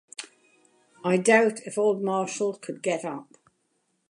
I doubt if old Marshall could get up.